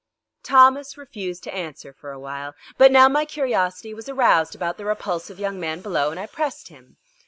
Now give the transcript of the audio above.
Thomas refused to answer for a while, but now my curiosity was aroused about the repulsive young man below and I pressed him.